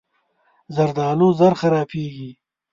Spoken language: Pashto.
زردالو ژر خرابېږي.